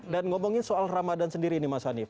dan ngomongin soal ramadan sendiri nih mas hanif